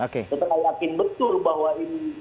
kita yakin betul bahwa ini